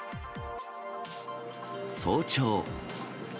早朝。